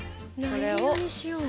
これを。